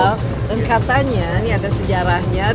dan katanya ini ada sejarahnya